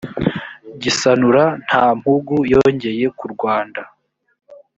gisanura nta mpugu yongeye ku rwanda